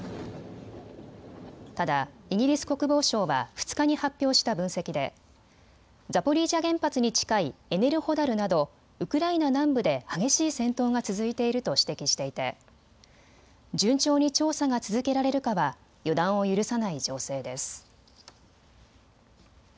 ただイギリス国防省は２日に発表した分析でザポリージャ原発に近いエネルホダルなどウクライナ南部で激しい戦闘が続いていると指摘していて順調に調査が続けられるかは予断を許さない情勢です。